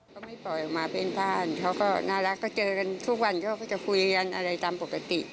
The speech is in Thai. ก็ไม่ปล่อยออกมาเป็นบ้านเขาก็น่ารักก็เจอกันทุกวันเขาก็จะคุยกันอะไรตามปกติ